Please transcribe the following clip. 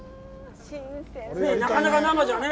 なかなか生じゃね